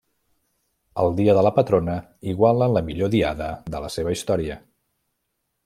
El dia de la patrona igualen la millor diada de la seva història.